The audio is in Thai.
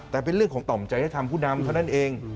แต่เป็นเรื่องของต่อมจริยธรรมผู้นำเท่านั้นเอง